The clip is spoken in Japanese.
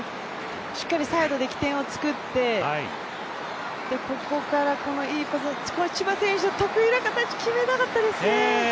しっかりサイドで起点を作ってここからいいパスを、千葉選手の得意な形決めたかったですね。